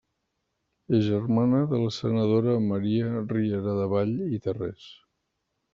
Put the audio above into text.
És germana de la senadora Maria Rieradevall i Tarrés.